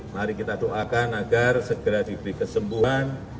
mari kita doakan agar segera diberi kesembuhan